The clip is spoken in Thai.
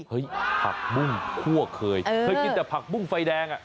ผักบุ้งคั่วเคยเคยกินแต่ผักบุ้งไฟแดงอ่ะ